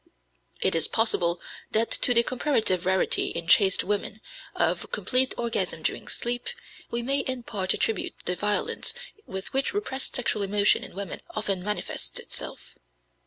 It is possible that to the comparative rarity in chaste women of complete orgasm during sleep, we may in part attribute the violence with which repressed sexual emotion in women often manifests itself.